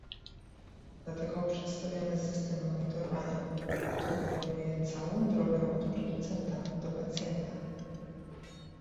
Dlatego przedstawiamy system monitorowania, który obejmuje całą drogę od producenta do pacjenta